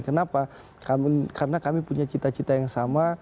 kenapa karena kami punya cita cita yang sama